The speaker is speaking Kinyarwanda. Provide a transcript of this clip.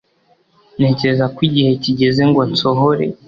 ntekereza ko igihe kigeze ngo nsohore